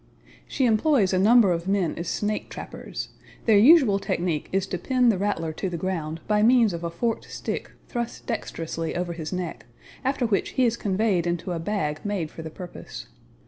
She employs a number of men as snake trappers. Their usual technique is to pin the rattler to the ground by means of a forked stick thrust dexterously over his neck, after which he is conveyed into a bag made for the purpose.